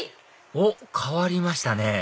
おっ変わりましたね